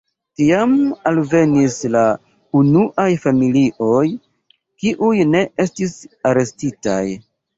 Tiam alvenis la unuaj familioj, kiuj ne estis arestitaj.